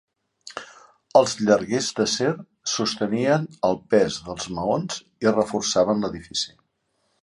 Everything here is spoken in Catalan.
Els llarguers d'acer sostenien el pes dels maons i reforçaven l'edifici.